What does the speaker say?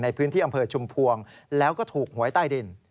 ในพื้นที่อำเภอชุมพวงแล้วก็ถูกหวยใต้ดิน